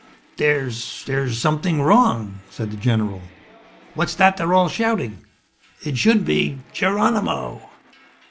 "There's There's something wrong!" said the general. "What's that they're all shouting? It should be 'Geronimo'